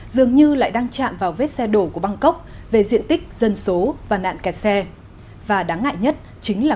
dường như lại đang chạm vào vết xe đổ của việt nam